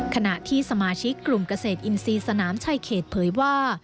ขณะที่สมาชิกกลุ่มเกษตรอินทรีย์สนามชายเขตเผยว่า